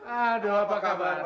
aduh apa kabar